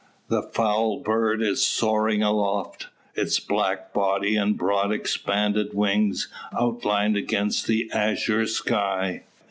The foul bird is soaring aloft, its black body and broad expanded wings outlined against the azure sky.